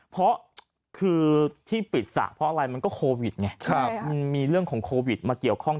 เพราะคือที่ปิดสระเพราะอะไรมันก็โควิดไงมันมีเรื่องของโควิดมาเกี่ยวข้อง